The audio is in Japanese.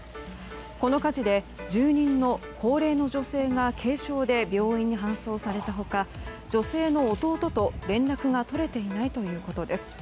この火事で住人の高齢の女性が、軽傷で病院に搬送された他女性の弟と連絡が取れていないということです。